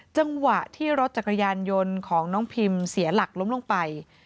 จังหวะที่รถจักรยานยนต์ของน้องพิมเสียหลักล้มลงไป